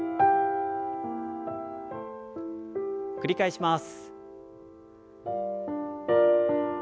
繰り返します。